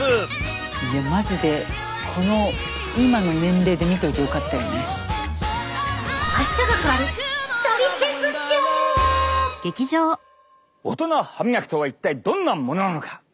いやマジでオトナ歯みがきとは一体どんなものなのか？